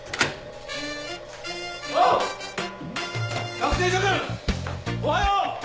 学生諸君おはよう！